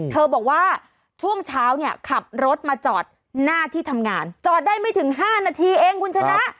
บอกว่าช่วงเช้าเนี่ยขับรถมาจอดหน้าที่ทำงานจอดได้ไม่ถึง๕นาทีเองคุณชนะ